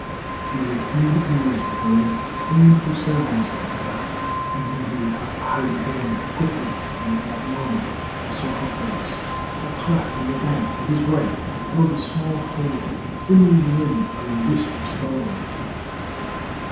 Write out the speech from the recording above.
There were keen ears behind, craned for sounds like that. He knew he would have to hide again quickly and at that moment he saw a place. A cleft in the bank to his right held a small hole, dimly limned by a wisp of starlight.